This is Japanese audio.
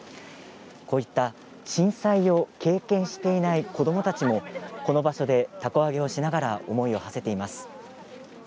こうした、震災を経験していない子どもたちもこの場所でたこ揚げをしながら思いをはせています。